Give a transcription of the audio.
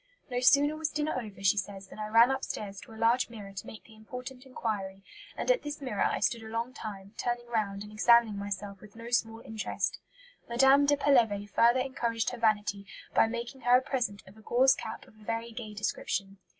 "No sooner was dinner over," she says, "than I ran upstairs to a large mirror to make the important inquiry, and at this mirror I stood a long time, turning round and examining myself with no small interest." Madame de Pelevé further encouraged her vanity by making her a present of "a gauze cap of a very gay description."